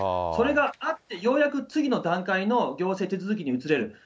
それがあって、ようやく次の段階の行政手続きに移れる。